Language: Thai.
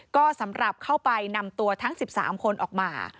ก็สำหรับเข้าไปนำตัวทั้ง๑๓คนออกมา